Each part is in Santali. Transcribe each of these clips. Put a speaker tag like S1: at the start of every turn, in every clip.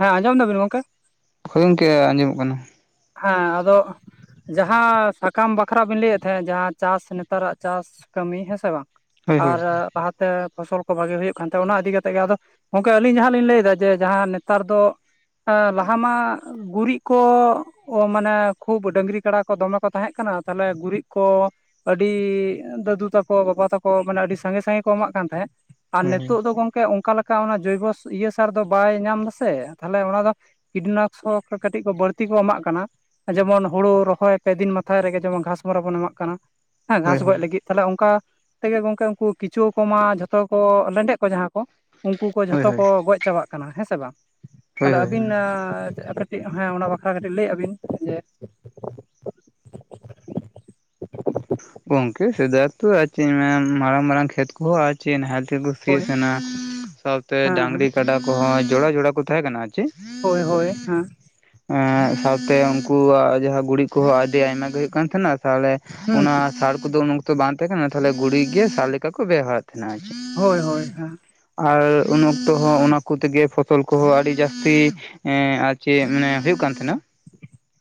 S1: ᱦᱮᱸ ᱟᱸᱡᱚᱢ ᱫᱟᱵᱤᱱ ᱜᱚᱝᱠᱮ?
S2: ᱦᱳᱭ ᱜᱚᱝᱠᱮ ᱟᱸᱡᱚᱢᱚᱜ ᱠᱟᱱᱟ᱾
S1: ᱦᱮᱸ ᱟᱫᱚᱜ ᱡᱟᱦᱟᱸ ᱥᱟᱠᱟᱢ ᱵᱟᱠᱷᱨᱟ ᱵᱤᱱ ᱞᱟᱹᱭᱮᱫ ᱛᱟᱦᱮᱸᱫ ᱡᱟᱦᱟᱸ ᱪᱟᱥ ᱱᱮᱛᱟᱨᱟᱜ ᱪᱟᱥ ᱠᱟᱹᱢᱤ ᱦᱮᱸᱥᱮ ᱵᱟᱝ?
S2: ᱦᱳᱭ ᱦᱳᱭ
S1: ᱟᱨ ᱞᱟᱦᱟᱛᱮ ᱯᱷᱚᱥᱚᱞ ᱠᱚ ᱵᱷᱟᱜᱮ ᱦᱳᱭᱳᱜ ᱠᱟᱱᱛᱮ ᱚᱱᱟ ᱤᱫᱤ ᱠᱟᱛᱮᱜ ᱜᱮ ᱟᱫᱚ ᱜᱚᱢᱠᱮ ᱟᱹᱞᱤᱧ ᱡᱟᱦᱟᱸ ᱞᱤᱧ ᱞᱟᱹᱭᱫᱟ ᱡᱮ ᱡᱟᱦᱟᱸ ᱱᱮᱛᱟᱨ ᱫᱚ ᱦᱮᱸ ᱞᱟᱦᱟ ᱢᱟ ᱜᱩᱨᱤᱡ ᱠᱚ ᱚ ᱢᱟᱱᱮ ᱠᱷᱩᱵ ᱰᱟᱹᱝᱨᱤ ᱠᱟᱰᱟ ᱠᱚ ᱫᱚᱢᱮ ᱠᱚ ᱛᱟᱦᱮᱸ ᱠᱟᱱᱟ ᱛᱟᱦᱚᱞᱮ ᱜᱩᱨᱤᱡ ᱠᱚ ᱟᱹᱰᱤ ᱫᱟᱫᱩ ᱛᱟᱠᱚ ᱵᱟᱵᱟ ᱛᱟᱠᱚ ᱢᱟᱱᱮ ᱟᱹᱰᱤ ᱥᱟᱸᱜᱮ ᱥᱟᱸᱜᱮ ᱠᱚ ᱮᱢᱟᱜ ᱠᱟᱱ ᱛᱟᱦᱮᱸᱫ ᱟᱨ
S2: ᱦᱳᱭ
S1: ᱱᱤᱛᱳᱜ ᱫᱚ ᱜᱚᱢᱠᱮ ᱚᱱᱠᱟ ᱞᱮᱠᱟ ᱚᱱᱟ ᱡᱳᱵᱚᱥ ᱤᱭᱟᱹ ᱥᱟᱨ ᱫᱚ ᱵᱟᱭ ᱧᱟᱢ ᱫᱟᱥᱮ ᱛᱟᱦᱚᱞᱮ ᱚᱱᱟ ᱫᱚ ᱠᱤᱴᱱᱟᱥᱚᱠ ᱠᱟᱹᱴᱤᱡ ᱠᱚ ᱵᱟᱹᱲᱛᱤ ᱠᱚ ᱮᱢᱟᱜ ᱠᱟᱱᱟ ᱡᱮᱢᱚᱱ ᱦᱳᱲᱳ ᱨᱚᱦᱚᱭ ᱯᱮ ᱫᱤᱱ ᱢᱟᱛᱷᱟᱭ ᱨᱮᱜᱮ ᱡᱮᱢᱚᱱ ᱜᱷᱟᱥᱢᱚᱨᱟ ᱵᱚᱱ ᱮᱢᱟᱜ ᱠᱟᱱᱟ ᱦᱮᱸ ᱜᱷᱟᱥ
S2: ᱦᱳᱭ ᱦᱳᱭ
S1: ᱜᱚᱡ ᱞᱟᱹᱜᱤᱫ᱾ ᱛᱟᱦᱚᱞᱮ ᱚᱱᱠᱟ ᱛᱮᱜᱮ ᱜᱚᱝᱠᱮ ᱩᱱᱠᱩ ᱠᱤᱪᱩᱣ ᱠᱚᱢᱟ ᱡᱷᱚᱛᱚ ᱠᱚ ᱞᱮᱸᱰᱮᱫ ᱠᱚ ᱡᱟᱦᱟᱸ ᱠᱚ ᱩᱱᱠᱩ ᱠᱚ
S2: ᱦᱳᱭ
S1: ᱡᱷᱚᱛᱚ ᱠᱚ
S2: ᱦᱳᱭ
S1: ᱜᱚᱡ ᱪᱟᱵᱟᱜ ᱠᱟᱱᱟ ᱦᱮᱸ ᱥᱮ ᱵᱟᱝ ᱛᱟᱦᱚᱞᱮ
S2: ᱦᱳᱭ
S1: ᱟᱹᱵᱤᱱ
S2: ᱦᱳᱭ
S1: ᱟ ᱠᱟᱹ ᱴᱤᱡ ᱦᱮᱸ ᱚᱱᱟ ᱵᱟᱠᱷᱨᱟ ᱠᱟᱹᱴᱤᱡ ᱞᱟᱹᱭ ᱟ ᱵᱤᱱ ᱡᱮ
S2: ᱜᱚᱝᱠᱮ ᱥᱮᱫᱟᱭᱛᱚ ᱟᱨ ᱪᱮᱫ ᱢᱮᱱᱟ ᱢᱟᱨᱟᱝ ᱢᱟᱨᱟᱝ ᱠᱷᱮᱛ ᱠᱚᱦᱚᱸ ᱟᱪᱮ ᱱᱟᱦᱮᱞ ᱛᱮᱠᱚ ᱥᱤᱭᱮᱫ
S1: ᱦᱳᱭ
S2: ᱛᱟᱦᱮᱸᱱᱟ ᱥᱟᱶᱛᱮ
S1: ᱦᱮᱸ ᱦᱮᱸ
S2: ᱰᱟᱝᱨᱤ ᱠᱟᱰᱟ ᱠᱚᱦᱚᱸ ᱡᱚᱲᱟ ᱡᱚᱲᱟ ᱠᱚ ᱛᱟᱦᱮᱸ ᱠᱟᱱᱟ ᱟᱨ ᱪᱮᱫ᱾
S1: ᱦᱳᱭ ᱦᱳᱭ ᱦᱮᱸ᱾
S2: ᱮᱸ ᱥᱟᱶᱛᱮ ᱩᱱᱠᱩᱣᱟᱜ ᱡᱟᱦᱟᱸ ᱜᱩᱨᱤᱡ ᱠᱚᱦᱚᱸ ᱟᱹᱰᱤ ᱟᱭᱢᱟᱮ ᱦᱩᱭᱩᱜ ᱠᱟᱱ ᱛᱟᱦᱮᱸᱱᱟ ᱛᱟᱦᱞᱮ
S1: ᱦᱩᱸ
S2: ᱚᱱᱟ ᱥᱟᱨ ᱠᱚᱫᱚ ᱩᱱ ᱚᱠᱛᱚ ᱵᱟᱝ ᱛᱟᱦᱮᱸ ᱠᱟᱱᱟ ᱛᱟᱦᱞᱮ ᱜᱩᱲᱤ ᱜᱮ ᱥᱟᱨ ᱞᱮᱠᱟ ᱠᱚ ᱵᱮᱣᱦᱟᱨᱮᱫ ᱛᱟᱦᱮᱸᱱᱟ ᱟᱨ ᱪᱮᱫ᱾
S1: ᱦᱳᱭ ᱦᱳᱭ ᱦᱮᱸ᱾
S2: ᱟᱨ ᱩᱱ ᱚᱠᱛᱚ ᱦᱚᱸ ᱚᱱᱟ ᱠᱚᱛᱮᱜᱮ ᱯᱷᱚᱥᱚᱞ ᱠᱚᱦᱚᱸ ᱟᱹᱰᱤ ᱡᱟᱹᱥᱛᱤ ᱮᱸ ᱟᱨ ᱪᱮᱫ ᱢᱟᱱᱮ ᱦᱩᱭᱩᱜ ᱠᱟᱱ ᱛᱟᱦᱮᱸᱱᱟ᱾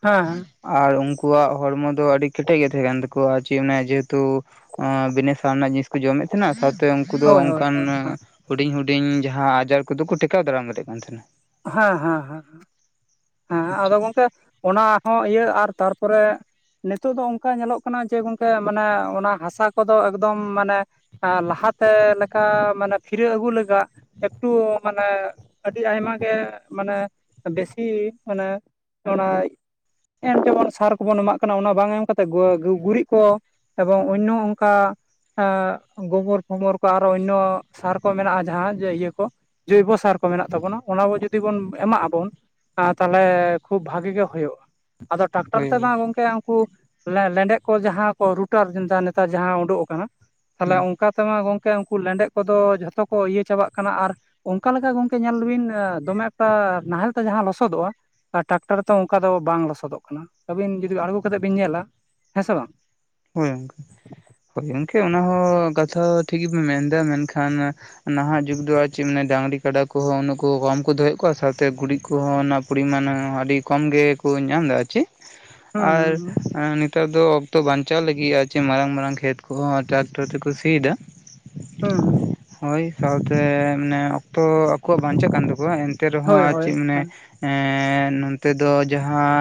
S1: ᱦᱟᱸ᱾
S2: ᱟᱨ ᱩᱱᱠᱩᱣᱟᱜ ᱦᱚᱲᱢᱚ ᱫᱚ ᱟᱹᱰᱤ ᱠᱮᱴᱮᱡ ᱜᱮ ᱛᱟᱦᱮᱸ ᱠᱟᱱ ᱛᱠᱩᱣᱟ ᱟᱨ ᱪᱮᱫ ᱚᱱᱟ ᱡᱮᱦᱮᱛᱩ ᱵᱤᱱᱟ ᱥᱟᱨ ᱨᱮᱱᱟᱜ ᱡᱤᱱᱤᱥ ᱠᱚ ᱡᱚᱢᱮᱫ ᱛᱟᱦᱮᱸᱱᱟ ᱥᱟᱶᱛᱮ ᱩᱱᱠᱩ ᱫᱚ
S1: ᱦᱳᱭ ᱦᱳᱭ ᱦᱳᱭ
S2: ᱚᱱᱠᱟᱱᱟ
S1: ᱦᱮᱸ
S2: ᱦᱩᱰᱤᱧ ᱦᱩᱰᱤᱧ ᱡᱟᱦᱟᱸ ᱟᱡᱟᱨ ᱠᱚᱫᱚ ᱠᱚ ᱴᱮᱠᱟᱣ ᱫᱟᱨᱟᱢ ᱫᱟᱲᱮᱭᱟᱜ ᱠᱟᱱ ᱛᱟᱦᱮᱸᱱᱟ ᱾
S1: ᱦᱮᱸ ᱦᱮᱸ ᱦᱮᱸ ᱦᱮᱸ ᱟᱫᱚ ᱜᱚᱝᱠᱮ ᱚᱱᱟ ᱦᱚᱸ ᱤᱭᱟᱹ ᱟᱨ ᱛᱟᱨᱯᱚᱨᱮ ᱱᱤᱛᱳ ᱫᱚ ᱚᱝᱠᱟ ᱧᱮᱞᱚᱜ ᱠᱟᱱᱟ ᱡᱮ ᱜᱚᱝᱠᱮ ᱢᱟᱱᱮ ᱚᱱᱟ ᱦᱟᱥᱟ ᱠᱚᱫᱚ ᱮᱠᱫᱚᱢ ᱢᱟᱱᱮ ᱟ ᱞᱟᱦᱟᱛᱮ ᱞᱮᱠᱟ ᱢᱟᱱᱮ ᱯᱷᱤᱨᱟᱹ ᱟᱹᱜᱩ ᱞᱟᱜᱟᱜ ᱮᱠᱴᱩ ᱢᱟᱱᱮ ᱟᱹᱰᱤ ᱟᱭᱢᱟ ᱜᱮ ᱢᱟᱱᱮ ᱵᱮᱥᱤ ᱢᱟᱱᱮ ᱚᱱᱟ ᱮᱢ ᱡᱮᱢᱚᱱ ᱥᱟᱨ ᱠᱚᱵᱚᱱ ᱮᱢᱟᱜ ᱠᱟᱱᱟ ᱚᱱᱟ ᱵᱟᱝ ᱮᱢ ᱠᱟᱛᱮᱫ ᱜᱟ ᱜᱚᱜᱩᱨᱤᱡ ᱠᱚ ᱮᱵᱚᱝ ᱚᱭᱱᱚ ᱚᱝᱠᱟ ᱟᱸᱜ ᱵᱟᱹᱭᱦᱟᱹᱲ [unintelligible] ᱠᱚ ᱟᱨᱚ ᱚᱭᱱᱚ ᱥᱟᱨ ᱠᱚ ᱢᱮᱱᱟᱜᱼᱟ ᱡᱟᱦᱟᱸ ᱡᱮ ᱤᱭᱟᱹ ᱠᱚ ᱡᱳᱭᱵᱚ ᱥᱟᱨ ᱠᱚ ᱢᱮᱱᱟᱜ ᱛᱟᱵᱚᱱᱟ ᱾ ᱚᱱᱟ ᱠᱚ ᱡᱩᱫᱤ ᱵᱚᱱ ᱮᱢᱟᱜ ᱟᱵᱚᱱ ᱛᱟᱦᱚᱞᱮ ᱠᱷᱩᱵ ᱵᱷᱟᱜᱤ ᱜᱮ ᱦᱩᱭᱩᱜ-ᱟ ᱾ᱟᱫᱚ ᱴᱟᱠᱴᱟᱨ ᱛᱮ
S2: ᱦᱳᱭ
S1: ᱵᱟᱝ ᱜᱚᱝᱠᱮ ᱩᱱᱠᱩ ᱞᱮᱸᱰᱮᱛ ᱠᱚ ᱡᱟᱦᱟᱸ ᱠᱚ ᱨᱩᱴᱟᱨ ᱱᱮᱛᱟᱨ ᱡᱟᱦᱟᱸ ᱩᱰᱩᱠ ᱠᱟᱱᱟ ᱛᱟᱦᱚᱞᱮ
S2: ᱦᱳᱭ
S1: ᱚᱱᱠᱟ ᱛᱮᱢᱟ ᱜᱚᱝᱠᱮ ᱩᱱᱠᱩ ᱞᱮᱸᱰᱮᱫ ᱠᱚᱫᱚ ᱡᱷᱚᱛᱚ ᱠᱚ ᱤᱭᱟᱹ ᱪᱟᱵᱟᱜ ᱠᱟᱱᱟ, ᱟᱨ ᱚᱱᱠᱟ ᱞᱮᱠᱟ ᱜᱚᱝᱠᱮ ᱧᱮᱞ ᱵᱤᱱ ᱫᱚᱢᱮ ᱮᱠᱴᱟ ᱱᱟᱦᱮᱞ ᱛᱮ ᱡᱟᱦᱟᱸ ᱞᱚᱥᱚᱫᱚᱜ-ᱟ᱾ ᱟᱨ ᱴᱟᱠᱴᱟᱨ ᱛᱮ ᱚᱱᱠᱟ ᱫᱚ ᱵᱟᱝ ᱞᱚᱥᱚᱫᱚᱜ ᱠᱟᱱᱟ ᱟᱹᱵᱤᱱ ᱡᱩᱫᱤ ᱟᱬᱜᱚ ᱠᱟᱛᱮᱫ ᱵᱤᱱ ᱧᱮᱞᱟ ᱦᱮᱸ ᱥᱮ ᱵᱟᱝ ᱾
S2: ᱦᱳᱭ ᱜᱚᱝᱠᱮ, ᱦᱳᱭ ᱜᱚᱝᱠᱮ ᱚᱱᱟ ᱦᱚᱸ ᱠᱟᱛᱷᱟ ᱴᱷᱤᱠ ᱜᱮᱵᱤᱱ ᱢᱮᱱᱫᱟ ᱢᱮᱱᱠᱷᱟᱱ ᱱᱟᱦᱟᱜ ᱡᱩᱜᱽ ᱫᱚ ᱟᱨ ᱪᱮᱫ ᱢᱮᱱᱟ ᱰᱟᱝᱨᱤ ᱠᱟᱰᱟ ᱠᱚᱦᱚᱸ ᱩᱱᱟᱹᱜ ᱠᱚ ᱠᱚᱢ ᱠᱚ ᱫᱚᱦᱚᱭᱮᱫ ᱠᱚᱣᱟ ᱥᱟᱶᱛᱮ ᱜᱩᱨᱤᱡ ᱠᱚᱦᱚᱸ ᱚᱱᱟ ᱯᱚᱨᱤᱢᱟᱱ ᱦᱚᱸ ᱟᱹᱰᱤ ᱠᱚᱢ ᱜᱮᱠᱚ ᱧᱟᱢ ᱮᱫᱟ ᱪᱮᱫ?
S1: [unintelligible] ᱦᱩᱸ
S2: ᱟᱨ ᱱᱮᱛᱚᱜ ᱫᱚ ᱚᱠᱛᱚ ᱵᱟᱧ ᱪᱟᱞᱜᱮᱭᱟ ᱞᱟᱹᱜᱤᱭᱟ ᱪᱮ ᱢᱟᱨᱟᱝ ᱢᱟᱨᱟᱝ ᱠᱷᱮᱛ ᱠᱚᱦᱚᱸ ᱴᱨᱟᱠᱴᱚᱨ ᱛᱮᱠᱚ ᱥᱤᱭᱮᱫᱟ ᱾
S1: ᱦᱩᱸ ᱩᱸ᱾
S2: ᱦᱳᱭ ᱥᱟᱣᱛᱮ ᱢᱟᱱᱮ ᱚᱠᱛᱚ ᱟᱠᱚᱣᱟᱜ ᱵᱟᱧᱪᱟᱜ ᱠᱟᱱ ᱛᱟᱠᱚᱣᱟ ᱮᱱᱛᱮ ᱨᱮᱦᱚᱸ
S1: ᱦᱳᱭ
S2: ᱟᱨ
S1: ᱦᱳᱭ
S2: ᱪᱮᱫ ᱢᱟᱱᱮ
S1: ᱦᱮᱸ
S2: ᱮᱸ ᱱᱚᱛᱮ ᱫᱚ ᱡᱟᱦᱟᱸ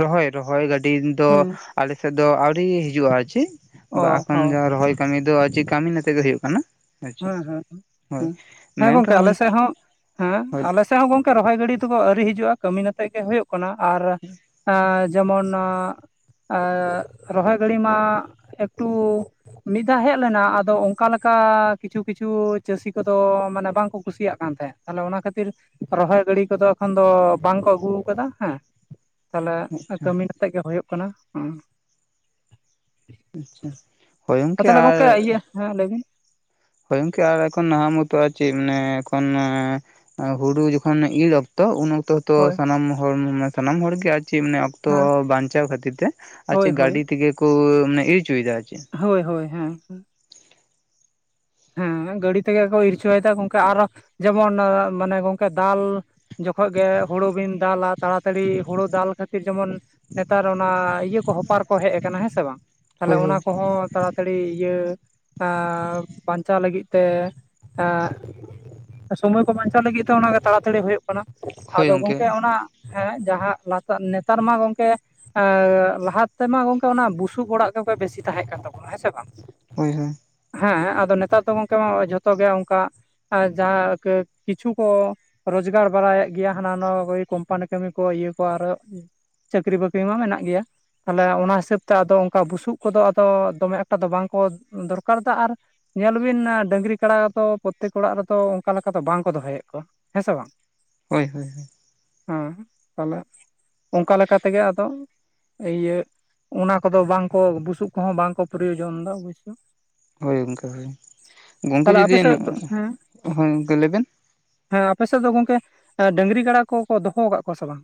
S2: ᱨᱚᱦᱚᱭ ᱨᱚᱦᱚᱭ ᱜᱟᱹᱰᱤ ᱫᱚ
S1: ᱦᱩᱸ
S2: ᱟᱞᱮ ᱥᱮᱫ ᱫᱚ ᱟᱹᱣᱨᱤ ᱦᱤᱡᱩᱜ-ᱟ ᱪᱮᱫ
S1: ᱚ
S2: ᱵᱟᱠᱷᱟᱱ
S1: ᱦᱚᱸ
S2: ᱫᱚ ᱨᱚᱦᱚᱭ ᱠᱟᱹᱢᱤ ᱫᱚ ᱟᱨ ᱪᱮᱫ ᱠᱟᱹᱢᱤᱱ ᱟᱛᱮᱜ ᱜᱮ ᱦᱩᱭᱩᱜ ᱠᱟᱱᱟ? ᱟᱨ ᱪᱮᱫ
S1: ᱦᱮᱸ ᱦᱮᱸ
S2: ᱦᱳᱭ
S1: ᱦᱮᱸ ᱜᱚᱝᱠᱮ ᱟᱞᱮ
S2: ᱢᱮᱱᱠᱷᱟᱱ
S1: ᱥᱮᱫ ᱦᱚᱸ ᱦᱮᱸ
S2: ᱦᱳᱭ
S1: ᱟᱞᱮ ᱛᱮ ᱦᱚᱸ ᱜᱚᱝᱠᱮ ᱨᱚᱦᱚᱭ ᱜᱟᱹᱰᱤ ᱛᱚᱠᱚ ᱟᱹᱣᱨᱤ ᱦᱤᱡᱩᱜ-ᱟ ᱠᱟᱹᱢᱤᱱ ᱟᱛᱮ ᱜᱮ ᱦᱩᱭᱩᱜ ᱠᱟᱱᱟ ᱟᱨ ᱡᱮᱢᱚᱱ ᱨᱚᱦᱚᱭ ᱜᱟᱹᱲᱤ ᱢᱟ ᱮᱠᱴᱩ ᱢᱤᱫ ᱫᱷᱟᱣ ᱦᱮᱡ ᱞᱮᱱᱟ ᱟᱫᱚ ᱚᱱᱠᱟ ᱞᱮᱠᱟ ᱠᱤᱪᱷᱩ ᱠᱤᱪᱷᱩ ᱪᱟᱹᱥᱤ ᱠᱚᱫᱚ ᱢᱟᱱᱮ ᱵᱟᱝ ᱠᱚ ᱠᱩᱥᱤᱭᱟᱜ ᱠᱟᱱ ᱛᱟᱦᱮᱸᱫ ᱛᱟᱦᱚᱞᱮ ᱚᱱᱟ ᱠᱷᱟᱹᱛᱤᱨ ᱨᱚᱦᱚᱭ ᱜᱟᱹᱲᱤ ᱠᱚᱫᱚ ᱮᱠᱷᱚᱱ ᱫᱚ ᱵᱟᱝ ᱠᱚ ᱟᱹᱜᱩ ᱠᱟᱫᱟ ᱦᱮᱸ ᱛᱟᱞᱦᱮ
S2: ᱟᱪᱪᱷᱟ
S1: ᱠᱟᱹᱢᱤᱱ ᱟᱛᱮᱜ ᱜᱮ ᱦᱩᱭᱩᱜ ᱠᱟᱱᱟ ᱾
S2: ᱟᱪᱪᱷᱟ ᱾
S1: ᱛᱟᱦᱚᱞᱮ ᱜᱚᱝᱠᱮ ᱤᱭᱟᱹ ᱦᱮᱸ ᱞᱟᱹᱭ ᱵᱤᱱ᱾
S2: ᱦᱳᱭ ᱜᱚᱝᱠᱤ ᱟᱨ ᱮᱠᱷᱚᱱ ᱱᱟ ᱢᱚᱛᱚ ᱟᱪᱮ ᱢᱟᱱᱮ ᱮᱠᱷᱚᱱ ᱾ ᱦᱩᱲᱩ ᱡᱚᱠᱷᱚᱱ ᱤᱨ ᱚᱠᱛᱚ ᱩᱱ ᱚᱠᱛᱚ ᱛᱚ
S1: ᱦᱳᱭ
S2: ᱥᱟᱱᱟᱢ ᱦᱚᱲ ᱥᱟᱱᱟᱢ ᱦᱚᱲᱜᱮ ᱟᱨ ᱪᱮᱫ ᱢᱟᱱᱮ ᱾ ᱚᱠᱛᱚ
S1: ᱦᱮᱸ
S2: ᱵᱟᱧᱪᱟᱣ ᱠᱷᱟᱹᱛᱤᱨ ᱛᱮ ᱟᱨ
S1: ᱦᱳᱭ
S2: ᱪᱮᱫ
S1: ᱦᱳᱭ
S2: ᱜᱟᱹᱰᱤ ᱛᱮᱜᱮ ᱠᱚ ᱢᱟᱱᱮ ᱤᱨ ᱚᱪᱚᱭᱮᱫᱟ ᱟᱨ ᱪᱮᱫ ᱾
S1: ᱦᱳᱭ ᱦᱳᱭ ᱦᱮᱸ᱾ ᱦᱮᱸ ᱜᱟᱹᱰᱤ ᱛᱮ ᱜᱮ ᱠᱚ ᱤᱨᱪᱚᱭᱮᱫᱟ ᱜᱚᱝᱠᱮ ᱟᱨᱚ ᱡᱮᱢᱚᱱ ᱢᱟᱱᱮ ᱜᱚᱝᱠᱮ ᱫᱟᱞ ᱡᱚᱠᱷᱚᱡ ᱜᱮ ᱦᱩᱲᱩ ᱵᱤᱱ ᱫᱟᱞᱟ ᱛᱟᱲᱟᱛᱟᱲᱤ ᱦᱩᱲᱩ ᱫᱟᱞ ᱠᱷᱟᱹᱛᱤᱨ ᱡᱮᱢᱚᱱ ᱱᱮᱛᱟᱨ ᱚᱱᱟ ᱤᱭᱟᱹ ᱠᱚ ᱦᱚᱯᱟᱨ ᱠᱚ ᱦᱮᱡ ᱟᱠᱟᱱᱟ, ᱦᱮᱸ ᱥᱮ ᱵᱟᱝ ᱾ ᱛᱟᱦᱚᱞᱮ
S2: ᱦᱳᱭ
S1: ᱚᱱᱟ
S2: ᱦᱳᱭ
S1: ᱠᱚᱦᱚᱸ ᱛᱟᱲᱟᱛᱟᱲᱤ ᱤᱭᱟᱹ ᱵᱟᱧᱪᱟᱣ ᱞᱟᱹᱜᱤᱫ ᱛᱮ ᱮ ᱥᱚᱢᱚᱭ ᱠᱚ ᱵᱟᱧᱪᱟᱣ ᱞᱟᱹᱜᱤᱫ ᱛᱮ ᱚᱱᱟᱜᱮ ᱛᱟᱲᱟᱛᱟᱹᱲᱤ ᱦᱩᱭᱩᱜ ᱠᱟᱱᱟ ᱾
S2: ᱦᱳᱭ
S1: ᱟᱫᱚ
S2: ᱜᱚᱝᱠᱮ
S1: ᱜᱚᱢᱠᱮ ᱚᱱᱟ ᱦᱮᱸ ᱡᱟᱦᱟᱸ ᱞᱟᱛᱟᱨ ᱱᱮᱛᱟᱨ ᱢᱟ ᱜᱚᱢᱠᱮ ᱮᱸ ᱞᱟᱦᱟ ᱛᱮᱢᱟ ᱜᱚᱝᱠᱮ ᱚᱱᱟ ᱵᱩᱥᱩᱵ ᱚᱲᱟᱜ ᱜᱮ ᱵᱮᱥᱤ ᱛᱟᱦᱮᱸ ᱠᱟᱱ ᱛᱟᱵᱚᱱᱟ ᱦᱮᱸ ᱥᱮ ᱵᱟᱝ ᱾
S2: ᱦᱳᱭ ᱦᱳᱭ ᱾
S1: ᱦᱮᱸ ᱟᱫᱚ ᱱᱮᱛᱟᱨ ᱫᱚ ᱜᱚᱝᱠᱮ ᱢᱟ ᱡᱷᱚᱛᱚ ᱜᱮ ᱚᱱᱠᱟ ᱟᱨ ᱡᱟᱦᱟᱸ ᱠᱤᱪᱷᱩ ᱠᱚ ᱨᱳᱡᱽᱜᱟᱨ ᱵᱟᱲᱟᱭᱮᱫ ᱜᱮᱭᱟ ᱦᱟᱱᱟ ᱱᱟᱦᱟ ᱠᱚ ᱠᱚᱢᱯᱟᱱᱤ ᱠᱟᱹᱢᱤ ᱠᱚ ᱤᱭᱟᱹ ᱠᱚᱣᱟ, ᱟᱨᱚ ᱪᱟᱹᱠᱨᱤ ᱵᱟᱹᱠᱨᱤ ᱢᱟ ᱢᱮᱱᱟᱜ ᱜᱮᱭᱟ ᱾ ᱛᱟᱦᱚᱞᱮ ᱚᱱᱟ ᱦᱤᱥᱟᱹᱵ ᱛᱮ ᱟᱫᱚ ᱚᱱᱠᱟ ᱵᱩᱥᱩᱵ ᱠᱚ ᱫᱚ ᱟᱫᱚ ᱫᱚᱢᱮ ᱮᱠᱴᱟ ᱫᱚ ᱵᱟᱝ ᱠᱚ ᱫᱚᱨᱠᱟᱨ ᱫᱟ ᱟᱨ ᱾ ᱧᱮᱞ ᱵᱤᱱ ᱰᱟᱹᱝᱨᱤ ᱠᱟᱰᱟ ᱫᱚ ᱯᱨᱚᱛᱮᱠ ᱚᱲᱟᱜ ᱨᱮᱫᱚ ᱚᱱᱠᱟ ᱞᱮᱠᱟ ᱫᱚ ᱵᱟᱝ ᱠᱚ ᱫᱚᱦᱚᱭᱮᱫ ᱠᱚᱣᱟ ᱾ ᱦᱮᱸ ᱥᱮ ᱵᱟᱝ ᱾
S2: ᱦᱳᱭ-ᱦᱳᱭ ᱾
S1: ᱦᱮᱸ ᱛᱟᱦᱚᱞᱮ ᱚᱱᱠᱟ ᱞᱮᱠᱟ ᱛᱮᱜᱮ ᱟᱫᱚ ᱾ ᱤᱭᱟᱹ ᱚᱱᱟ ᱠᱚ ᱫᱚ ᱵᱟᱝ ᱠᱚ ᱵᱩᱥᱩᱵ ᱠᱚᱦᱚᱸ ᱵᱟᱝ ᱠᱚ ᱯᱨᱚᱭᱳᱡᱚᱱ ᱫᱚ ᱾
S2: ᱦᱳᱭ ᱜᱚᱝᱠᱮ ᱦᱳᱭ, ᱜᱚᱝᱠᱮ
S1: ᱛᱟᱦᱚᱞᱮ
S2: ᱡᱩᱫᱤ
S1: ᱟᱯᱮ ᱥᱮᱫ ᱫᱚ ᱦᱮᱸ
S2: ᱦᱳᱭ ᱜᱚᱝᱠᱮ ᱞᱟᱹᱭᱵᱮᱱ᱾
S1: ᱦᱮᱸ ᱟᱯᱮᱥᱮᱫ ᱫᱚ ᱜᱚᱝᱠᱮ ᱰᱟᱹᱝᱨᱤ, ᱠᱟᱲᱟ ᱠᱚᱠᱚ ᱫᱚᱦᱚ ᱟᱠᱟᱫ ᱠᱚᱣᱟ ᱥᱮ ᱵᱟᱝ?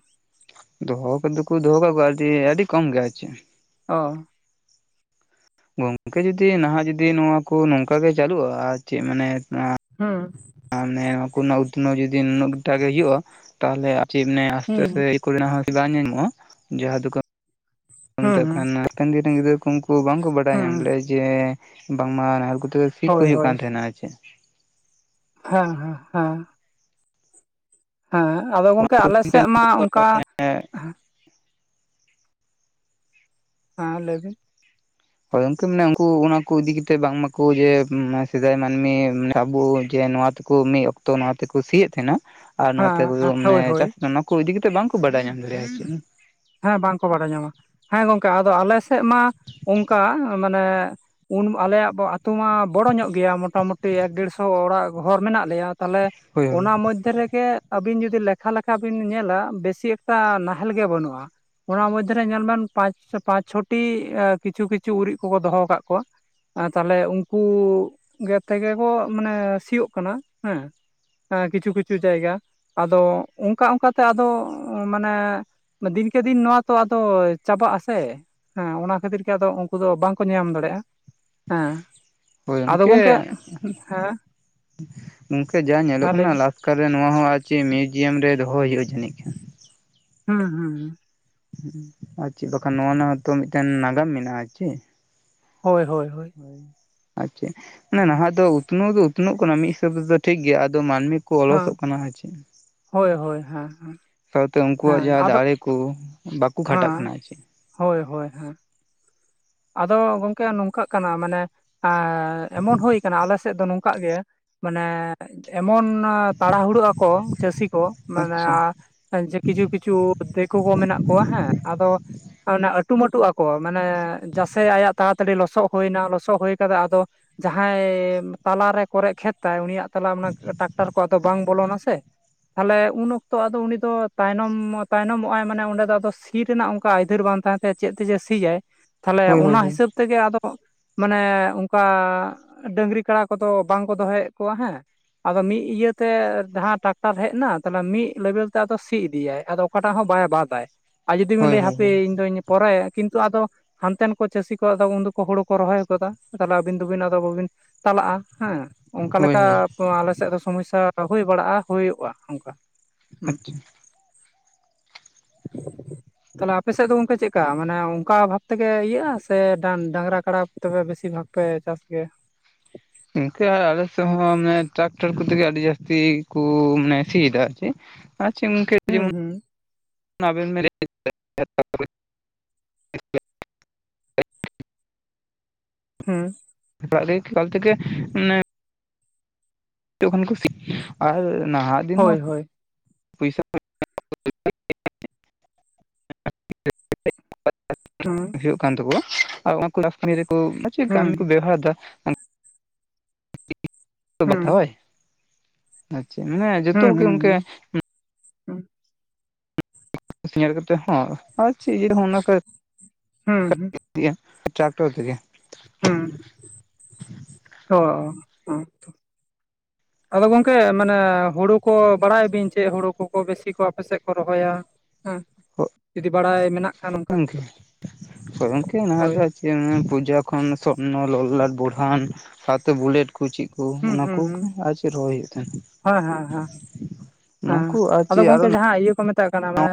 S2: ᱫᱚᱦᱚ ᱠᱟ ᱫᱚ ᱠᱚ ᱫᱚᱦᱚ ᱠᱟᱜ ᱠᱚᱣᱟ ᱟᱨᱠᱤ ᱟᱹᱰᱤ ᱠᱚᱢ ᱜᱮᱭᱟ ᱟᱨ ᱪᱮᱫ ᱾
S1: ᱚ ᱾
S2: ᱜᱚᱝᱠᱮ ᱡᱩᱫᱤ ᱱᱟᱦᱟᱜ ᱡᱩᱫᱤ ᱱᱚᱣᱟ ᱠᱚ ᱱᱚᱝᱠᱟᱜᱤ ᱪᱟᱹᱞᱩᱜᱼᱟ ᱪᱮᱫ ᱢᱟᱱᱮ ᱾
S1: ᱦᱩᱸ ᱾
S2: ᱟᱨᱟᱱᱮ ᱱᱚᱣᱟ ᱠᱚ ᱨᱮᱱᱟᱜ ᱩᱛᱱᱟᱹᱣ ᱡᱩᱫᱤ ᱱᱩᱱᱟᱹᱜ ᱜᱴᱟᱜ ᱜᱮ ᱦᱳᱭᱳᱜᱼᱟ ᱛᱟᱦᱚᱞᱮ ᱟᱨᱤ ᱢᱮ
S1: ᱦᱩᱸ
S2: ᱟᱥᱛᱮ-ᱟᱥᱛᱮ ᱾ ᱱᱟᱜ ᱦᱚᱸ ᱵᱟᱝ ᱧᱟᱢᱚᱜᱼᱟ ᱡᱟᱦᱟᱸ ᱫᱚ ᱾
S1: ᱦᱩᱸ
S2: ᱢᱮᱛᱮᱱ
S1: ᱦᱩᱸ
S2: ᱠᱷᱟᱱ ᱱᱟ ᱛᱟ. ᱝᱜᱤ -ᱛᱟ. ᱝᱜᱤ ᱩᱱᱠᱩ ᱵᱟᱭᱝᱠᱚ ᱵᱟᱰᱟᱭ ᱧᱟᱢ
S1: ᱦᱩᱸ
S2: ᱞᱮᱭᱟ ᱡᱮ ᱵᱟᱝᱢᱟ ᱱᱟᱦᱮᱞ ᱠᱚᱛᱮ ᱾ ᱴᱷᱤᱠ ᱠᱚ
S1: ᱦᱳᱭ
S2: ᱦᱩᱭᱩᱜ ᱠᱟᱱ ᱛᱟᱸᱦᱮᱱᱟ ᱟᱨ ᱪᱮᱫ ᱾
S1: ᱦᱮᱸᱻᱦᱮᱸ ᱾ ᱦᱮᱸ ᱟᱫᱚ ᱜᱚᱝᱠᱮ ᱟᱮᱞ ᱥᱮᱫ ᱢᱟ ᱚᱱᱠᱟ ᱾ ᱦᱮᱸ ᱞᱟᱹᱭᱵᱤᱱ ᱾
S2: ᱦᱳᱭ ᱜᱚᱝᱠᱮ ᱢᱟᱱᱮ ᱩᱱᱠᱩ ᱚᱱᱟ ᱠᱚ ᱤᱫᱤ ᱠᱟᱛᱮᱫ ᱵᱟᱝᱢᱟᱠᱚ ᱡᱮ ᱥᱮᱫᱟᱭ ᱢᱟᱹᱱᱢᱤ ᱟᱵᱚ ᱡᱮ ᱱᱚᱣᱟ ᱾ ᱢᱤᱫ ᱚᱠᱛᱚ ᱱᱚᱣᱟ ᱛᱮᱠᱚ ᱥᱤᱭᱮᱫ ᱛᱟᱦᱮᱸᱱᱟ ᱟᱨ ᱱᱚᱣᱟᱛᱮ
S1: ᱦᱮᱸ ᱦᱮᱸ
S2: ᱢᱟᱱᱮ
S1: ᱦᱳᱭ ᱦᱳᱭ
S2: ᱪᱟᱥ ᱾ ᱠᱚ ᱤᱫᱤ ᱠᱟᱛᱮᱫ ᱵᱟᱝ ᱠᱚ ᱵᱟᱰᱟᱭ ᱧᱟᱢ ᱫᱟᱲᱮᱭᱟᱜᱼᱟ ᱟᱨ ᱪᱮᱫ
S1: ᱦᱩᱸ
S2: ᱾
S1: ᱦᱮᱸ ᱵᱟᱝ ᱠᱚ ᱵᱟᱲᱟᱭ ᱧᱟᱢᱟ ᱦᱮᱸ ᱜᱚᱝᱠᱮ ᱟᱫᱚ ᱟᱞᱮ ᱥᱮᱫ ᱢᱟ ᱚᱱᱠᱟ ᱢᱟᱱᱮ ᱾ ᱩᱱ ᱟᱞᱮᱭᱟᱜ ᱟ. ᱛᱳ ᱢᱟ ᱵᱚᱲᱚ ᱧᱚᱜ ᱜᱮᱭᱟ ᱢᱚᱴᱟᱢᱩᱴᱤ ᱮᱠ ᱰᱮᱲᱥᱚ ᱚᱲᱟᱜ ᱜᱷᱚᱨ ᱢᱮᱱᱟᱜ ᱞᱮᱭᱟ ᱾ ᱛᱟᱦᱚᱞᱮ
S2: ᱦᱳᱭ ᱦᱳᱭ
S1: ᱚᱱᱟ ᱢᱚᱫᱽᱫᱷᱮ ᱨᱮᱜᱮ ᱟᱹᱵᱤᱱ ᱡᱩᱫᱤ ᱞᱮᱠᱷᱟ-ᱞᱮᱠᱷᱟ ᱵᱤᱱ ᱧᱮᱞᱟ ᱵᱮᱥᱤᱠ ᱾ ᱮᱴᱟ ᱱᱟᱦᱮᱞ ᱜᱮ ᱵᱟᱹᱱᱩᱜᱼᱟ ᱾ ᱚᱱᱟ ᱢᱚᱫᱽᱫᱷᱮᱨᱮ ᱧᱮᱞᱢᱮᱱ ᱯᱟᱸᱪ, ᱪᱷᱚᱴᱤ ᱠᱤᱪᱷᱩ-ᱠᱤᱪᱷᱩ ᱩᱨᱤᱡ ᱠᱚᱠᱚ ᱫᱚᱦᱚ ᱟᱠᱟᱫ ᱠᱚᱣᱟ ᱾ ᱛᱟᱦᱚᱞᱮ ᱩᱱᱠᱩ ᱜᱮᱫ ᱛᱮᱜᱮ ᱠᱚ ᱢᱟᱱᱮ ᱥᱤᱭᱳᱜ ᱠᱟᱱᱟ ᱦᱮᱸ ᱾ ᱠᱤᱪᱷᱩ-ᱠᱤᱪᱷᱩ ᱡᱟᱭᱜᱟ ᱟᱫᱚ ᱚᱱᱠᱟ ᱚᱱᱠᱟᱛᱮ ᱟᱫᱚ ᱾ ᱢᱟᱱᱮ ᱫᱤᱱᱠᱮ-ᱫᱤᱱ ᱱᱚᱣᱟ ᱛᱚ ᱟᱫᱚ ᱪᱟᱵᱟᱜ ᱟᱥᱮ ᱾ ᱦᱮᱸ ᱚᱱᱟ ᱠᱷᱟᱹᱛᱤᱨ ᱜᱮ ᱟᱫᱚ ᱩᱱᱠᱩ ᱫᱚ ᱵᱟᱝᱠᱚ ᱧᱮᱧᱟᱢ ᱫᱟᱲᱮᱭᱟᱜᱼᱟ ᱾ ᱦᱮᱸ
S2: ᱦᱳᱭ
S1: ᱟᱫᱚ
S2: ᱜᱚᱢᱠᱮ
S1: ᱜᱚᱝᱠᱮ ᱦᱮᱸ᱾
S2: ᱜᱚᱝᱠᱮ ᱡᱟ ᱧᱮᱞᱚᱜ
S1: ᱦᱮᱸ ᱞᱟᱹᱭ
S2: ᱠᱟᱱᱟ
S1: ᱵᱤᱱ
S2: ᱞᱟᱥᱠᱟᱨ ᱨᱮ ᱱᱚᱶᱟ ᱦᱚᱸ ᱟᱨ ᱪᱮᱫ ᱢᱤᱭᱩᱡᱤᱭᱟᱢ ᱨᱮ ᱫᱚᱦᱚᱭ ᱦᱳᱭᱳᱜᱼᱟ ᱡᱟᱹᱱᱤᱡ ᱠᱷᱟᱱ᱾
S1: ᱦᱩᱸ-ᱦᱩᱸ
S2: ᱟᱨ ᱪᱮᱫ ᱵᱟᱠᱷᱟᱱ ᱱᱚᱣᱟ ᱨᱮᱱᱟᱜ ᱦᱚᱸᱛᱚ ᱢᱤᱫᱴᱮᱱ ᱱᱟᱜᱟᱢ ᱢᱮᱱᱟᱜᱼᱟ ᱪᱮ᱾
S1: ᱦᱳᱭ-ᱦᱳᱭ-ᱦᱳᱭ
S2: ᱟᱪᱷᱟ ᱢᱟᱱᱮ ᱱᱟᱦᱟᱜ ᱫᱚ ᱩᱛᱱᱟᱹᱣ ᱫᱚ ᱩᱛᱱᱟᱹᱜ ᱠᱟᱱᱟ ᱢᱤᱫ ᱦᱤᱥᱟᱹᱵ ᱛᱮᱫᱚ ᱴᱷᱤᱠᱜᱮᱭᱟ ᱟᱫᱚ ᱢᱟᱹᱱᱢᱤ ᱠᱚ
S1: ᱦᱮᱸ
S2: ᱚᱞᱚᱥᱚᱜ ᱠᱟᱱᱟ ᱟᱨ ᱪᱮᱫ᱾
S1: ᱦᱳᱭ ᱦᱳᱭ ᱦᱮᱸ
S2: ᱥᱟᱶᱛᱮ ᱩᱱᱠᱩᱣᱟᱜ
S1: ᱦᱮᱸ
S2: ᱡᱟᱦᱟᱸ
S1: ᱟᱫᱚ
S2: ᱫᱟᱲᱮ ᱠᱩ ᱵᱟᱠᱩ ᱠᱷᱟᱴᱟᱜ ᱠᱟᱱᱟ ᱟᱨ ᱪᱮᱫ᱾
S1: ᱦᱳᱭ-ᱦᱳᱭ-ᱦᱳᱭ᱾ ᱟᱫᱚ ᱜᱚᱝᱠᱮ ᱱᱚᱝᱠᱟᱜ ᱠᱟᱱᱟ ᱢᱟᱱᱮ ᱮᱸᱻ ᱮᱢᱚᱱ ᱦᱩᱭ ᱠᱟᱱᱟ ᱟᱞᱮ ᱥᱮᱫ ᱫᱚ ᱱᱚᱝᱠᱟᱜ ᱜᱮᱭᱟ ᱢᱟᱱᱮ ᱮᱢᱚᱱ ᱛᱟᱲᱟᱦᱩᱲᱟᱹ ᱟᱠᱚ ᱪᱟᱹᱥᱤ ᱠᱚ ᱢᱟᱱᱮ
S2: ᱟᱪᱪᱷᱟ
S1: ᱡᱮ ᱠᱤᱪᱷᱩ-ᱠᱤᱪᱷᱩ ᱫᱤᱠᱩ ᱠᱚ ᱢᱮᱱᱟᱜ ᱠᱚᱣᱟ ᱦᱮᱸ ᱟᱫᱚ᱾ ᱚᱱᱟ ᱟᱹᱴᱩ-ᱢᱟᱹᱴᱩ ᱟᱠᱚ ᱢᱟᱱᱮ ᱡᱟᱥᱮ ᱟᱭᱟᱜ ᱛᱟᱲᱟᱛᱟᱹᱲᱤ ᱞᱚᱥᱚᱫ ᱦᱩᱭᱱᱟ ᱞᱚᱥᱚᱫ ᱦᱩᱭ ᱠᱟᱛᱮᱫ ᱟᱫᱚ ᱡᱟᱦᱟᱸᱭ ᱛᱟᱞᱟᱨᱮ ᱠᱚᱨᱮᱪ ᱠᱷᱮᱛ ᱛᱟᱭ ᱩᱱᱤᱭᱟᱜ ᱛᱟᱞᱟ ᱚᱱᱟ ᱴᱟᱠᱴᱟᱨ ᱠᱚ ᱫᱚ ᱵᱟᱝ ᱵᱚᱞᱚᱱᱟᱥᱮ᱾ ᱛᱟᱦᱚᱞᱮ ᱩᱱ ᱚᱠᱛᱚ ᱟᱫᱚ ᱩᱱᱤ ᱫᱚ ᱛᱟᱭᱱᱚᱢ-ᱛᱟᱭᱱᱚᱢᱚᱜᱼᱟᱭ ᱢᱟᱱᱮ ᱚᱸᱰᱮ ᱫᱚ ᱟᱫᱚ ᱥᱤ ᱨᱮᱱᱟᱜ ᱚᱱᱠᱟ ᱟᱹᱭᱫᱟᱹᱨ ᱵᱟᱝ ᱛᱟᱦᱮᱸᱱ ᱛᱮ ᱪᱮᱫ ᱛᱮ ᱡᱮ ᱥᱤᱭᱟᱭ ᱛᱟᱦᱚᱞᱮ
S2: ᱦᱳᱭ ᱦᱳᱭ
S1: ᱚᱱᱟ ᱦᱤᱥᱟᱹᱵ ᱛᱮᱜᱮ ᱟᱫᱚ ᱢᱟᱱᱮ ᱚᱝᱠᱟ ᱰᱟᱹᱝᱨᱤ ᱠᱟᱲᱟ ᱠᱚᱫᱚ ᱵᱟᱝ ᱠᱚ ᱫᱚᱦᱚᱭᱮᱫ ᱠᱚᱣᱟ ᱦᱮᱸ᱾ ᱟᱫᱚ ᱢᱤᱫ ᱤᱭᱟᱹ ᱛᱮ ᱫᱟᱦᱟᱸ ᱴᱨᱟᱠᱴᱟᱨ ᱦᱮᱡ ᱮᱱᱟ, ᱛᱟᱦᱚᱞᱮ ᱢᱤᱫ ᱞᱮᱵᱮᱞ ᱛᱮ ᱟᱫᱚ ᱥᱤ ᱤᱫᱤᱭᱟᱭ, ᱟᱫᱚ ᱚᱠᱟᱴᱟᱜ ᱦᱚᱸ ᱵᱟᱭ ᱵᱟᱫᱟᱭ, ᱟᱨ ᱡᱩᱫᱤ ᱵᱮᱱ
S2: ᱦᱳᱭ
S1: ᱞᱟᱹᱭᱟ
S2: ᱦᱳᱭ
S1: ᱦᱟᱯᱮ
S2: ᱦᱳᱭ
S1: ᱤᱧᱫᱚᱧ ᱯᱚᱨᱮ ᱠᱤᱱᱛᱩ ᱟᱫᱚ ᱦᱟᱱᱛᱮᱱ ᱠᱚ ᱪᱟᱹᱥᱤ ᱠᱚ ᱟᱫᱚ ᱩᱱᱫᱚ ᱠᱚ ᱦᱩᱲᱩ ᱠᱚ ᱨᱚᱦᱚᱭ ᱜᱚᱫᱟ, ᱛᱟᱦᱞᱮ ᱟᱹᱵᱤᱱ ᱫᱚᱵᱤᱱ ᱟᱫᱚ ᱵᱟᱹᱵᱤᱱ ᱛᱟᱞᱟᱜᱼᱟ ᱦᱮᱸ᱾ ᱚᱝᱠᱟ
S2: ᱦᱳᱭ
S1: ᱞᱮᱠᱟ
S2: ᱦᱳᱭ
S1: ᱠᱚ ᱟᱞᱮ ᱥᱮᱫ ᱫᱚ ᱥᱚᱢᱚᱥᱥᱟ ᱠᱚ ᱦᱩᱭ ᱵᱟᱲᱟᱜᱼᱟ ᱦᱩᱭᱩᱜᱼᱟ ᱚᱝᱠᱟ᱾ ᱦᱩᱸ᱾
S2: ᱟᱪᱪᱷᱟ
S1: ᱛᱟᱦᱚᱞᱮ ᱟᱯᱮ ᱥᱮᱫ ᱫᱚ ᱜᱚᱝᱠᱮ ᱪᱮᱜᱠᱟ ᱢᱟᱱᱮ ᱚᱝᱠᱟ ᱵᱷᱟᱵ ᱛᱮᱜᱮ ᱤᱭᱟᱹᱜᱼᱟ ᱥᱮ ᱰᱟᱱ ᱰᱟᱝᱨᱟ ᱠᱟᱲᱟ ᱠᱚ ᱛᱮᱜᱮ ᱵᱮᱥᱤᱨ ᱵᱷᱟᱜᱽ ᱯᱮ ᱪᱟᱥ ᱜᱮᱭᱟ?
S2: ᱤᱝᱠᱟᱹ ᱟᱞᱮ ᱥᱮᱫ ᱦᱚᱸ ᱢᱟᱱᱮ ᱴᱨᱟᱠᱴᱚᱨ ᱠᱚᱛᱮ ᱜᱮ ᱟᱹᱰᱤ ᱡᱟᱹᱥᱛᱤ ᱠᱩ ᱢᱟᱱᱮ ᱥᱤᱭᱮᱫᱟ ᱟᱨ ᱪᱮᱫ᱾ ᱟᱨ ᱪᱮᱫ ᱜᱚᱭᱢᱠᱮ
S1: ᱦᱩᱸ
S2: ᱡᱮᱢᱚᱱ
S1: ᱦᱩᱸ
S2: ᱚᱱᱟ ᱵᱮᱱ [inaudible]
S1: ᱦᱩᱸ᱾
S2: ᱚᱲᱟᱜ ᱨᱮ ᱮᱠᱟᱞ ᱛᱮᱜᱮ ᱢᱟᱱᱮ ᱡᱚᱠᱷᱚᱱ ᱠᱩ ᱥᱤ, ᱟᱨ ᱱᱟᱦᱟᱜ ᱫᱤᱱ
S1: ᱦᱳᱭ
S2: ᱦᱚᱸ
S1: ᱦᱳᱭ
S2: ᱯᱩᱭᱥᱟ [inaudible]
S1: ᱦᱩᱸ᱾
S2: ᱦᱩᱭᱩᱜ ᱠᱟᱱ ᱛᱟᱠᱚᱣᱟ, ᱟᱨ ᱚᱱᱟ ᱠᱩ ᱞᱟᱥᱴ ᱠᱟᱢᱤ ᱨᱮᱠᱚ [inaudible] ᱠᱟᱹᱢᱤ
S1: ᱦᱩᱸ
S2: ᱠᱚ ᱵᱮᱵᱦᱟᱨᱫᱟ᱾ [inaudible]
S1: ᱦᱩᱸ
S2: ᱵᱟᱛᱷᱟᱣᱟᱭ, ᱟᱪᱪᱷᱟ ᱢᱟᱱᱮ ᱡᱚᱛᱚ
S1: ᱦᱩᱸ
S2: ᱠᱚᱜᱮ
S1: ᱦᱩᱸ
S2: ᱜᱚᱝᱠᱮ
S1: ᱦᱩᱸ
S2: ᱥᱤᱸᱭᱮᱫ ᱠᱟᱛᱮᱫ ᱦᱚᱸ ᱟᱨ ᱪᱮᱫ ᱤᱭᱟᱹ ᱦᱚ ᱚᱱᱟ ᱠᱚᱭ
S1: ᱦᱩᱸ ᱦᱩᱸ᱾
S2: ᱛᱤᱜᱼᱟ, ᱴᱨᱟᱠᱴᱚᱨ ᱛᱮᱜᱮ᱾
S1: ᱦᱩᱸ, ᱚᱻ, [inaudible] ᱟᱫᱚ ᱜᱚᱝᱠᱮ ᱢᱟᱱᱮ ᱦᱩᱲᱩ ᱠᱚ ᱵᱟᱲᱟᱭᱟᱵᱤᱱ ᱪᱮᱫ ᱦᱩᱲᱩ ᱠᱚᱠᱚ ᱵᱮᱥᱤ ᱠᱚ ᱟᱯᱮ ᱥᱮᱜ ᱠᱚ ᱨᱚᱦᱚᱭᱟ? ᱦᱮᱸ, ᱡᱩᱫᱤ ᱵᱟᱲᱟᱭ ᱢᱮᱱᱟᱜ ᱠᱷᱟᱱ ᱚᱝᱠᱟ?
S2: ᱜᱚᱝᱠᱮ
S1: ᱦᱳᱭ᱾
S2: ᱪᱮᱜ ᱚᱱᱟ ᱯᱩᱡᱟ ᱠᱷᱚᱱ ᱥᱚᱨᱱᱚ, ᱞᱚᱞᱞᱟᱴ, ᱵᱚᱲᱦᱟᱱ ᱥᱟᱶᱛᱮ ᱵᱩᱞᱮᱴ ᱠᱚ ᱪᱮᱫ ᱠᱚ
S1: ᱦᱩᱸ
S2: ᱚᱱᱟ
S1: ᱦᱩᱸ
S2: ᱠᱚ
S1: ᱦᱩᱸ,
S2: ᱟᱨ ᱪᱮᱫ ᱨᱚᱦᱚᱭ ᱦᱩᱭᱩᱜ ᱛᱟᱦᱮᱸᱱᱟ
S1: ᱦᱮᱸ ᱦᱮᱸ ᱦᱮᱸ᱾
S2: ᱚᱱᱟ
S1: ᱦᱮᱸ,
S2: ᱠᱚ ᱟᱨ
S1: ᱟᱫᱚ
S2: ᱪᱮᱫ ᱟᱨᱚ
S1: ᱜᱚᱝᱠᱮ ᱡᱟᱦᱟᱸ ᱤᱭᱟᱹ ᱠᱚ ᱢᱮ -ᱛᱟᱜ ᱠᱟᱱᱟ ᱢᱟᱱᱮ,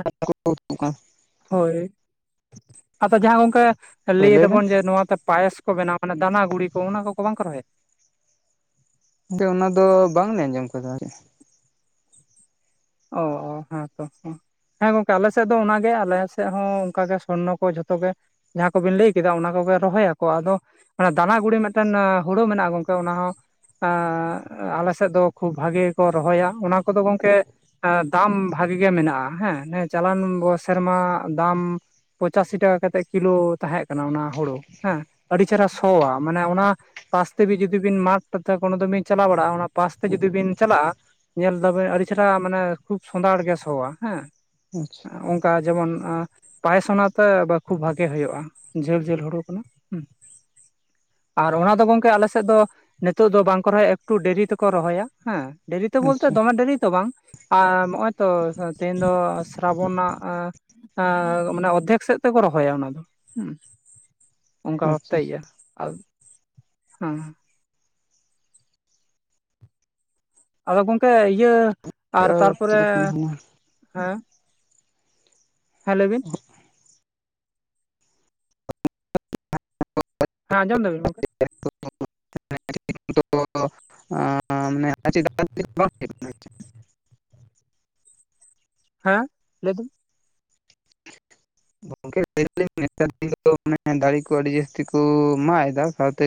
S1: ᱦᱳᱭ, ᱟᱫᱚ ᱡᱟᱦᱟᱸ ᱜᱚᱝᱠᱮ
S2: ᱦᱳᱭ ᱞᱟᱹᱭ ᱵᱮᱱ
S1: ᱞᱟᱹᱭᱮᱫᱟᱵᱚᱱ ᱡᱮ ᱱᱚᱣᱟ ᱛᱮ ᱯᱟᱭᱮᱥ ᱠᱚ ᱵᱮᱱᱟᱣ ᱠᱟᱱᱟ ᱫᱟᱱᱟ ᱜᱩᱲᱤ ᱠᱚ ᱚᱱᱟ ᱠᱚᱠᱚ ᱵᱟᱝᱠᱚ ᱨᱚᱦᱚᱭᱮᱫ?
S2: ᱜᱚᱝᱠᱮ ᱚᱱᱟ ᱫᱚ ᱵᱟᱝᱞᱮ ᱟᱸᱡᱚᱢ ᱠᱟᱫᱟ ᱟᱨ ᱪᱮᱫ?
S1: ᱚᱻ ᱦᱮᱸ ᱛᱚ᱾ [inaudible] ᱦᱮᱸ ᱜᱚᱝᱠᱮ ᱟᱞᱮ ᱥᱮᱫ ᱫᱚ ᱚᱱᱟ ᱜᱮ, ᱟᱞᱮ ᱥᱮᱫ ᱦᱚᱸ ᱚᱝᱠᱟ ᱜᱮ ᱥᱚᱨᱱᱚ ᱠᱚ ᱡᱷᱚᱛᱚ ᱜᱮ, ᱡᱟᱦᱟᱸ ᱠᱚᱵᱤᱱ ᱞᱟᱹᱭ ᱠᱮᱫᱟ ᱚᱱᱟ ᱠᱚᱜᱮ ᱨᱚᱦᱚᱭᱟᱠᱚ ᱟᱫᱚ ᱢᱟᱱᱮ ᱫᱟᱱᱟ ᱜᱩᱲᱤ ᱢᱤᱫᱴᱮᱱ ᱦᱩᱲᱩ ᱢᱮᱱᱟᱜᱼᱟ ᱜᱚᱝᱠᱮ ᱚᱱᱟ ᱦᱚᱸ ᱟᱸᱻ ᱟᱞᱮ ᱥᱮᱫ ᱫᱚ ᱠᱷᱩᱵ ᱵᱷᱟᱜᱮ ᱜᱮᱠᱚ ᱨᱚᱦᱚᱭᱟ, ᱚᱱᱟ ᱠᱚᱫᱚ ᱜᱚᱝᱠᱮ ᱮᱸᱻ ᱫᱟᱢ ᱵᱷᱟᱜᱮ ᱜᱮ ᱢᱮᱱᱟᱜᱼᱟ ᱦᱮᱸ, [unintelligible] ᱪᱟᱞᱟᱣᱮᱱ ᱵᱚᱨᱥᱟ ᱨᱮᱢᱟ ᱫᱟᱢ ᱯᱚᱸ ᱪᱟᱥᱤ ᱴᱟᱠᱟ ᱠᱟᱛᱮᱫ ᱠᱤᱞᱳ ᱛᱟᱦᱮᱸᱜ ᱠᱟᱱᱟ ᱚᱱᱟ ᱦᱳᱲᱳ, ᱦᱮᱸ ᱟᱹᱰᱤ ᱪᱮᱦᱨᱟ ᱥᱚᱣᱟ ᱢᱟᱱᱮ ᱚᱱᱟ ᱯᱟᱥ ᱛᱮ ᱵᱤ ᱡᱩᱫᱤ ᱵᱤᱱ [unintelligible] ᱠᱳᱱᱳ ᱫᱤᱱ ᱵᱤᱱ ᱪᱟᱞᱟᱣ ᱵᱟᱲᱟᱜ-ᱟ ᱚᱱᱟ ᱯᱟᱥ ᱛᱮ‌ᱡᱩᱫᱤ ᱵᱤᱱ ᱪᱟᱞᱟᱜ-ᱟ, ᱧᱮᱞ ᱫᱟᱵᱮ ᱟᱹᱰᱤ ᱪᱮᱨᱦᱟ ᱢᱟᱱᱮ ᱠᱷᱩᱵ ᱥᱚᱸᱫᱷᱟᱲ ᱜᱮ ᱥᱚᱣᱟ ᱦᱮᱸ᱾
S2: ᱟᱪᱪᱷᱟ᱾
S1: ᱦᱚᱸᱜ-ᱚ ᱚᱝᱠᱟ ᱡᱮᱢᱚᱱ ᱟᱸ ᱯᱟᱭᱮᱥ ᱚᱱᱟᱛᱮ ᱠᱷᱩᱵ ᱵᱷᱟᱜᱮ ᱦᱩᱭᱩᱜᱼᱟ ᱠᱚ, ᱡᱷᱟᱹᱞ ᱡᱷᱟᱹᱞ ᱦᱳᱲᱤ ᱠᱟᱱᱟ ᱦᱩᱸ᱾ ᱟᱨ ᱚᱱᱟ ᱫᱚ ᱜᱚᱝᱠᱮ ᱟᱞᱮ ᱥᱮᱫ ᱫᱚ ᱱᱤᱛᱚᱜ ᱫᱚ ᱵᱟᱝ ᱠᱚ ᱨᱚᱦᱚᱭᱟ ᱮᱠᱴᱩ ᱰᱮᱨᱤ ᱛᱮᱠᱚ ᱨᱚᱦᱚᱭᱟ ᱦᱮᱸ᱾ ᱰᱮᱨᱤ ᱛᱮ ᱵᱚᱞᱛᱮ
S2: ᱟᱪᱪᱷᱟ
S1: ᱫᱚᱢᱮ ᱰᱮᱨᱤ ᱛᱚ ᱵᱟᱝ, ᱟᱹᱻ ᱱᱚᱜᱼᱚᱭ ᱛᱚ ᱛᱮᱦᱮᱧ ᱫᱚ ᱥᱨᱟᱵᱚᱱ ᱱᱟᱜ ᱟ ᱮ ᱢᱟᱱᱮ ᱚᱨᱫᱷᱮᱠ ᱥᱮᱫ ᱛᱮᱠᱚ ᱨᱚᱦᱚᱭᱟ ᱚᱱᱟ ᱫᱚ, ᱦᱩᱸ᱾ ᱚᱱᱠᱟ
S2: ᱟᱪᱪᱷᱟ
S1: ᱵᱷᱟᱵᱛᱮ ᱤᱭᱟ ᱟᱨ ᱦᱩᱸ ᱾ ᱟᱫᱚ ᱜᱚᱝᱠᱮ ᱤᱭᱟᱹ ᱟᱨ
S2: ᱚᱠᱛᱚ
S1: ᱛᱟᱨᱯᱚᱨᱮ
S2: ᱠᱚ ᱛᱤᱱᱟᱹᱜ ᱦᱩᱭᱱᱟ?
S1: ᱦᱮᱸ ᱦᱮᱸ ᱞᱟᱹᱭ ᱵᱤᱱ ᱾
S2: [inaudible]
S1: ᱦᱟ ᱚᱸᱢᱚᱢ ᱫᱟᱵᱤᱱ ᱜᱚᱝᱠᱮ?
S2: [unintelligible] [unintelligible]
S1: ᱦᱮᱸ ᱞᱟᱹᱭ ᱫᱤᱧ,
S2: ᱜᱚᱝᱠᱮ ᱞᱟᱹᱭ ᱫᱟᱞᱤᱧ [inaudible] ᱫᱟᱨᱮ ᱠᱚ ᱟᱹᱰᱤ ᱡᱟᱹᱥᱛᱤ ᱠᱚ ᱢᱟᱜ ᱮᱫᱟ ᱥᱟᱶᱛᱮ